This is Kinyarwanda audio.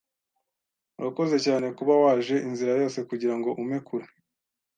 Urakoze cyane kuba waje inzira yose kugirango umpe kure.